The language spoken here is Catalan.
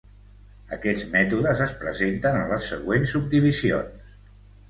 Aquests mètodes es presenten en les següents subdivisions.